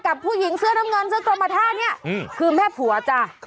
กับผู้หญิงเสื้อน้ำเงินเสื้อกรมท่าเนี่ยคือแม่ผัวจ้ะ